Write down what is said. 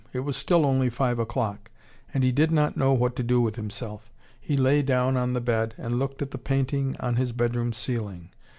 It was still only five o'clock. And he did not know what to do with himself. He lay down on the bed, and looked at the painting on his bedroom ceiling.